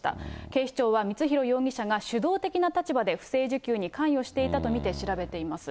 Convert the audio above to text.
警視庁は光弘容疑者が主導的な立場で不正受給に関与していたと見て調べています。